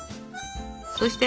そして？